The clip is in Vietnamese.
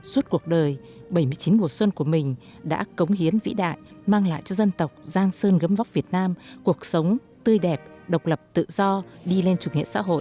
suốt cuộc đời bảy mươi chín mùa xuân của mình đã cống hiến vĩ đại mang lại cho dân tộc giang sơn gấm bóc việt nam cuộc sống tươi đẹp độc lập tự do đi lên chủ nghĩa xã hội